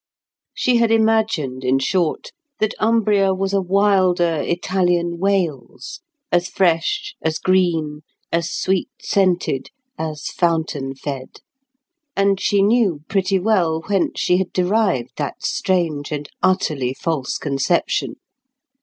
She had imagined, in short, that Umbria was a wilder Italian Wales, as fresh, as green, as sweet scented, as fountain fed. And she knew pretty well whence she had derived that strange and utterly false conception.